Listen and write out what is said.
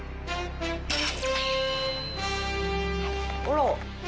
あら！